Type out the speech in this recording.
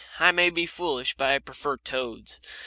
I may be foolish, but I prefer toads.